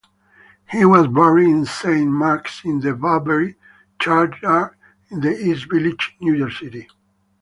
He was buried in Saint Mark's-in-the-Bowery Churchyard in the East Village, New York City.